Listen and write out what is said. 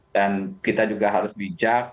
dan kita juga harus bijak